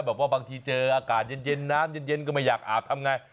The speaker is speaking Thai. บางทีเจออากาศเย็นน้ำเย็นก็ไม่อยากอาบทำไง